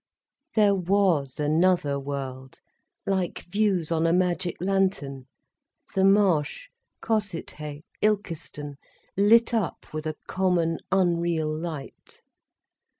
There was another world, like views on a magic lantern; The Marsh, Cossethay, Ilkeston, lit up with a common, unreal light.